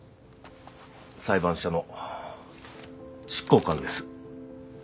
裁判所の執行官です。